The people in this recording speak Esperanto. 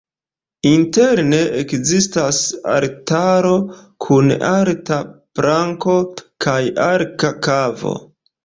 Interne, ekzistas altaro kun alta planko kaj arka kavo.